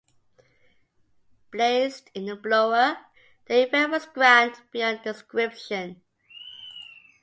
Placed in a blower ... the effect was grand beyond description.